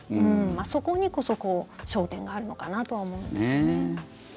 そこにこそ焦点があるのかなとは思うんですよね。